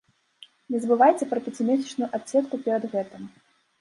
Не забывайце пра пяцімесячную адседку перад гэтым.